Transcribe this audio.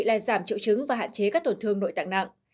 là giảm triệu chứng và hạn chế các tổn thương nội tạng nặng